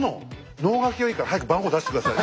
能書きはいいから早く番号出して下さい。